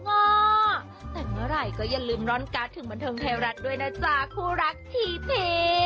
แต่เมื่อไหร่ก็อย่าลืมร่อนการ์ดถึงบันเทิงไทยรัฐด้วยนะจ๊ะคู่รักทีเพ